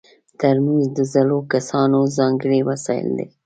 ترموز د زړو کسانو ځانګړی وسایل دي.